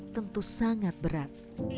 tentu sangat berat